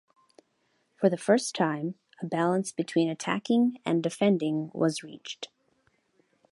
For the first time, a balance between attacking and defending was reached.